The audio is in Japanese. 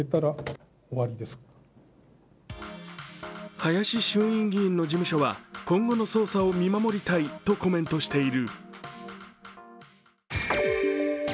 林衆院議員の事務所は今後の捜査を見守りたいとコメントしている。